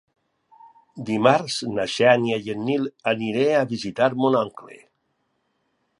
Dimarts na Xènia i en Nil aniré a visitar mon oncle.